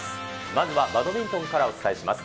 まずはバドミントンからお伝えします。